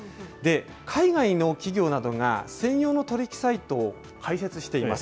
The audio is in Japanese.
海外の企業などが専用の取り引きサイトを開設しています。